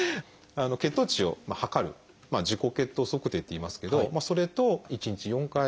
血糖値を測る自己血糖測定っていいますけどそれと１日４回